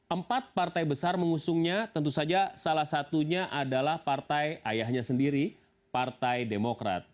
empat partai besar mengusungnya tentu saja salah satunya adalah partai ayahnya sendiri partai demokrat